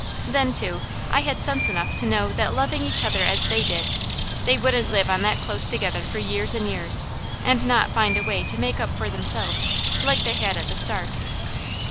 Then, too, I had sense enough to know that loving each other as they did, they wouldn't live on that close together for years and years, and not find a way to make up for themselves, like they had at the start.